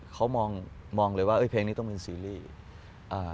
เขามองเลยว่าเพลงนี้ต้องเป็นซีรีส์